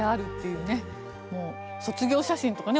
もう『卒業写真』とかね